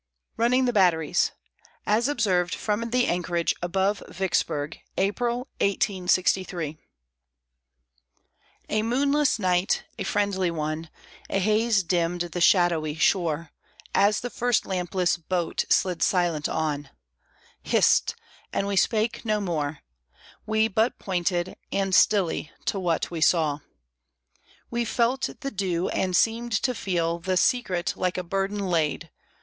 RUNNING THE BATTERIES (As observed from the anchorage above Vicksburg, April, 1863) A moonless night a friendly one; A haze dimmed the shadowy shore As the first lampless boat slid silent on; Hist! and we spake no more; We but pointed, and stilly, to what we saw. We felt the dew, and seemed to feel The secret like a burden laid.